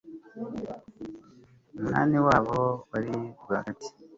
umunani wabo wari rwagati